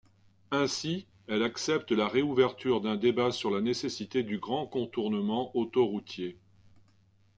Ainsi, elle accepte la réouverture d'un débat sur la nécessité du grand contournement autoroutier.